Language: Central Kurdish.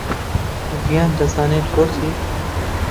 ڤیان دەزانێت بۆچی.